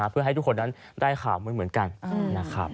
เพื่อให้ทุกคนนั้นได้ข่าวเหมือนกันนะครับ